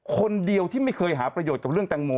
คนเดียวที่ไม่เคยหาประโยชน์กับเรื่องแตงโม